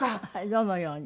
どのように？